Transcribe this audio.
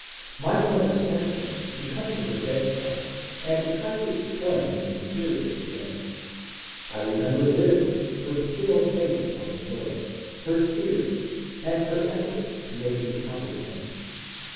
My motber sent for me to come to ber bedside, and tried to explain tbe mysterious event. I remember vividly ber pale face on tbe pillow, ber tears, and ber effort to make me oomprebend.